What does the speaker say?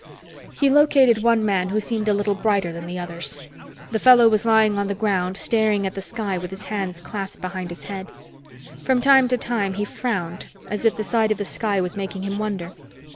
He located one man who seemed a little brighter than the others. The fellow was lying on the ground, staring at the sky with his hands clasped behind his head. From time to time, he frowned, as if the sight of the sky was making him wonder.